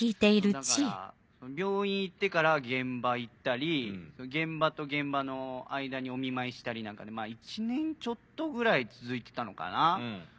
だから病院行ってから現場行ったり現場と現場の間にお見舞いしたりなんかでまぁ１年ちょっとぐらい続いてたのかな。